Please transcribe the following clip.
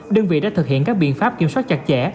đơn vị đã thực hiện các biện pháp kiểm soát chặt chẽ